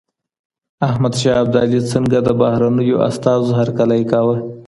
احمد شاه ابدالي څنګه د بهرنیو استازو هرکلی کاوه؟